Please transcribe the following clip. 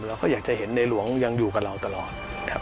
แล้วก็อยากจะเห็นในหลวงยังอยู่กับเราตลอด